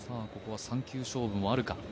ここは３球勝負もあるか。